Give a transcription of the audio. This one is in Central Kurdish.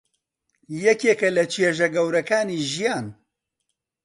یەکێکە لە چێژە گەورەکانی ژیان.